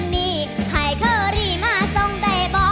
นี่ให้เคอรี่มาส่งได้บ่